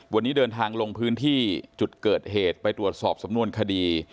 วันนี้เดินทางลงพื้นที่จุดเกิดเหตุไปตรวจสอบสำนวนคดี